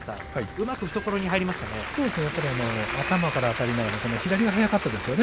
うまく懐に入りましたね。